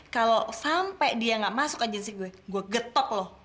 kalau sampe dia nggak masuk agensi gue gua getok lu